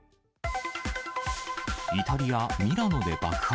イタリア・ミラノで爆発。